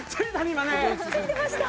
今ねついてました！